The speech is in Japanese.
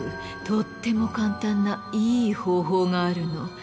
とっても簡単ないい方法があるの。